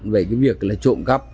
về cái việc là trộm cắp